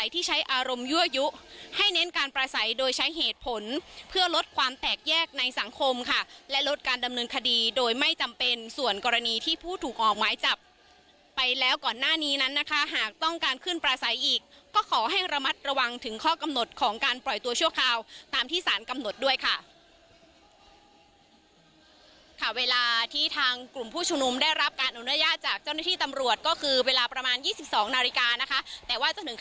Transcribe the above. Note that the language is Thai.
แตกแยกในสังคมค่ะและลดการดำเนินคดีโดยไม่จำเป็นส่วนกรณีที่ผู้ถูกออกไม้จับไปแล้วก่อนหน้านี้นั้นนะคะหากต้องการขึ้นประสัยอีกก็ขอให้ระมัดระวังถึงข้อกำหนดของการปล่อยตัวชั่วคราวตามที่สารกำหนดด้วยค่ะค่ะเวลาที่ทางกลุ่มผู้ชุมนุมได้รับการอนุญาตจากเจ้าหน้าที่ตำรวจก็คือเวลาประมา